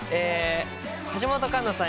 橋本環奈さん